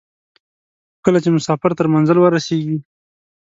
خو کله چې مسافر تر منزل ورسېږي.